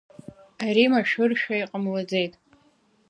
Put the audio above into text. Ари машәыршәа иҟамлаӡеит.